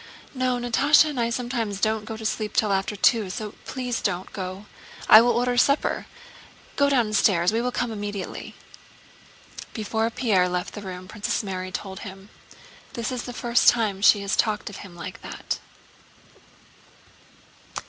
"No, Natásha and I sometimes don't go to sleep till after two, so please don't go. I will order supper. Go downstairs, we will come immediately." Before Pierre left the room Princess Mary told him: "This is the first time she has talked of him like that."